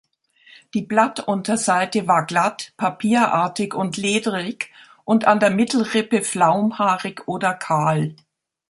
Die Blattunterseite war glatt, papierartig und lederig und an der Mittelrippe flaumhaarig oder kahl.